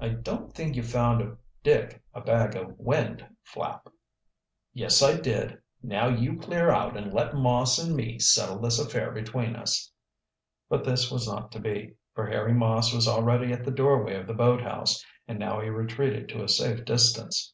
"I don't think you found Dick a bag of wind, Flapp." "Yes, I did. Now you clear out and let Moss and me settle this affair between us." But this was not to be, for Harry Moss was already at the doorway of the boathouse and now he retreated to a safe distance.